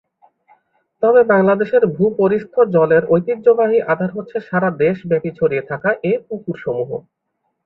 তবে বাংলাদেশের ভূপরিস্থ জলের ঐতিহ্যবাহী আধার হচ্ছে সারা দেশব্যাপী ছড়িয়ে থাকা এর পুকুরসমূহ।